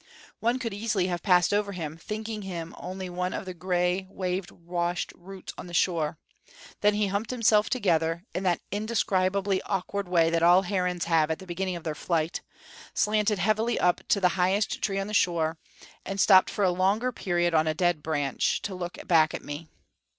One could easily have passed over him, thinking him only one of the gray, wave washed roots on the shore. Then he humped himself together, in that indescribably awkward way that all herons have at the beginning of their flight, slanted heavily up to the highest tree on the shore, and stopped for a longer period on a dead branch to look back at me.